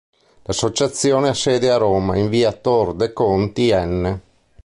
L'associazione ha sede a Roma, in via Tor de' Conti n.